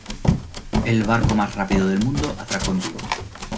El barco más rápido del mundo atracó en Vigo.